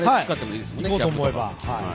いこうと思えば。